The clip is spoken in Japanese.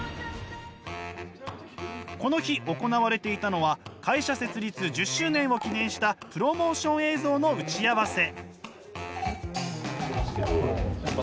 この日行われていたのは会社設立１０周年を記念したプロモーション映像の打ち合わせ。